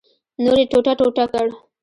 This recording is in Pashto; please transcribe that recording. نور یې ټوټه ټوټه کړ.